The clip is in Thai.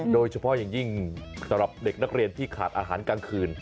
โดยเฉพาะอย่างยิ่งสำหรับเด็กนักเรียนที่ขาดอาหารกลางคืน